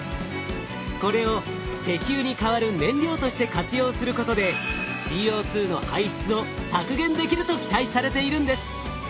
これを石油に代わる燃料として活用することでＣＯの排出を削減できると期待されているんです。